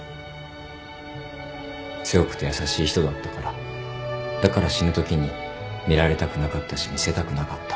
強くて優しい人だったからだから死ぬときに見られたくなかったし見せたくなかった。